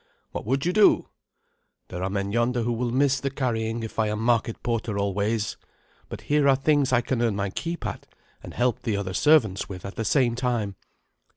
"What would you do?" "There are men yonder who will miss the carrying if I am market porter always. But here are things I can earn my keep at, and help the other servants with at the same time.